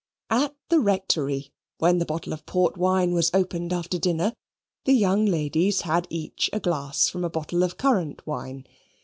At the Rectory, when the bottle of port wine was opened after dinner, the young ladies had each a glass from a bottle of currant wine.